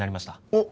おっ！